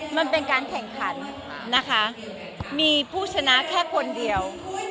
มันเป็นการแข่งขันนะคะมีผู้ชนะแค่คนเดียว